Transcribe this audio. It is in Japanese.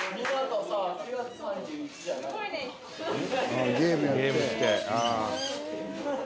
ああゲームやって。